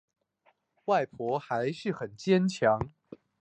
外婆还是很坚强